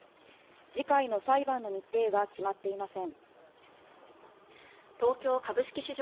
次回の裁判の日程は決まっていません。